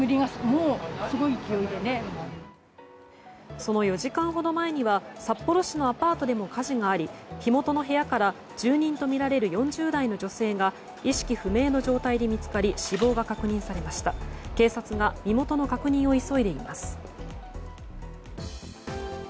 その４時間ほど前には札幌市のアパートでも火事があり火元の部屋から住民とみられる４０代の女性が意識不明の状態で見つかり死亡が確認されました。